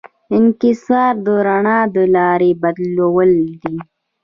انکسار د رڼا د لارې بدلول دي.